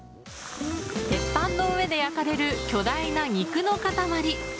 鉄板の上で焼かれる巨大な肉の塊。